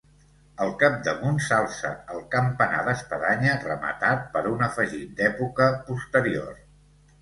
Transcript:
Al capdamunt s'alça el campanar d'espadanya rematat per un afegit d'època posterior.